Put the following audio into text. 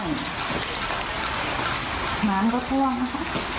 น้ำก็ท่วงนะครับ